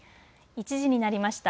１時になりました。